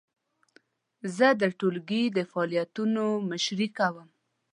زه د ټولګي د فعالیتونو مشري کوم.